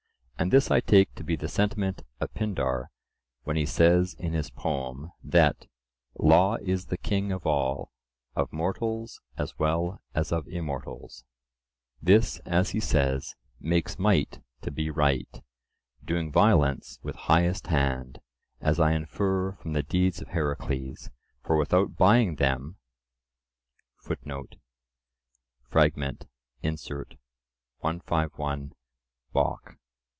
And this I take to be the sentiment of Pindar, when he says in his poem, that "Law is the king of all, of mortals as well as of immortals;" this, as he says, "Makes might to be right, doing violence with highest hand; as I infer from the deeds of Heracles, for without buying them—" (Fragm. Incert. 151 (Bockh).)